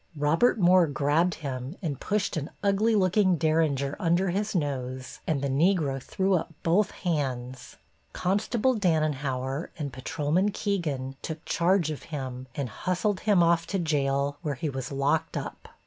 Robert Moore grabbed him and pushed an ugly looking Derringer under his nose and the Negro threw up both hands. Constable Dannenhauer and Patrolman Keegan took charge of him and hustled him off to jail, where he was locked up.